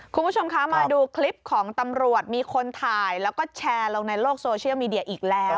คุณผู้ชมคะมาดูคลิปของตำรวจมีคนถ่ายแล้วก็แชร์ลงในโลกโซเชียลมีเดียอีกแล้ว